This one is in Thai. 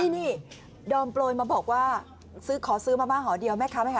นี่ดอมโปรยมาบอกว่าขอซื้อมาม่าหอเดียวแม่ค้าไหมค